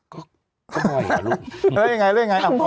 ก็บ่อยล่ะลูก